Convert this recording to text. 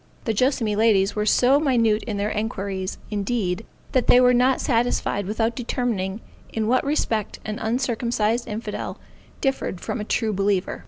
The Joassamee ladies were so minute in their enquiries, indeed, that they were not satisfied without determining in what respect an uncircumcised infidel differed from a true believer.